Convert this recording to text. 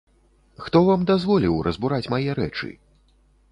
Хто вам дазволіў разбураць мае рэчы?